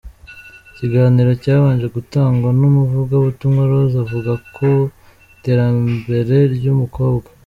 Ikiganiro cyabanje gutangwa n'umuvugabutumwa Rose, avuga ku iterambere ry'umukobwa.